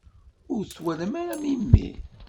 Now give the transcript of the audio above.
Ur twalamt ara memmi?